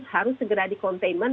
harus segera di containment